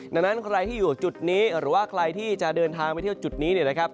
ดังนั้นใครที่อยู่จุดนี้หรือว่าใครที่จะเดินทางไปเที่ยวจุดนี้เนี่ยนะครับ